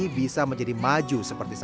dan saya itu bekerja penjaga setan di sini